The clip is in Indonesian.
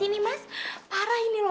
itu suara angkri